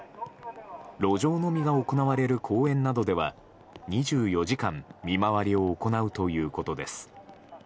路上飲みが行われる公園などでは２４時間見回りを行うということです。